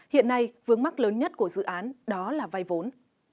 hiện nay vướng mắt lớn nhất của dự án đó là vay vốn